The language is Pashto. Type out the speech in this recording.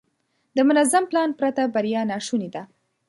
د منظم پلان پرته بریا ناشونې ده.